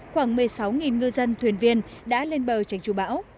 khoảng một mươi sáu ngư dân thuyền viên đã lên bờ tránh chú bão